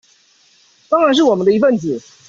當然是我們的一分子